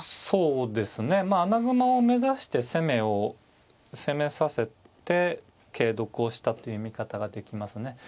そうですねまあ穴熊を目指して攻めを攻めさせて桂得をしたという見方ができますね。